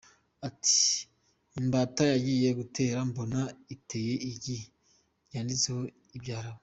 Ati “ Imbata yagiye gutera, mbona iteye igi ryanditseho ibyarabu.